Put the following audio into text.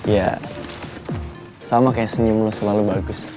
ya sama kayak senyum lo selalu bagus